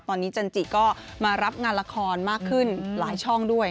ตอนนี้จันจิก็มารับงานละครมากขึ้นหลายช่องด้วย